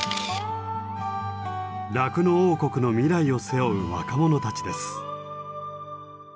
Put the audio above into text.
酪農王国の未来を背負う若者たちです。